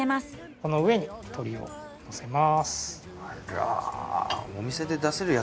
この上に鶏をのせます。